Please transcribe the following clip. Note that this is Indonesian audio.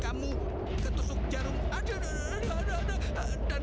kamu tinggal di rumah juragan